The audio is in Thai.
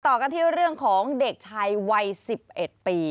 ต่อกันที่เรื่องของเด็กชายวัย๑๑ปี